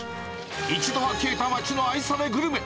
一度は消えた町の愛されグルメ。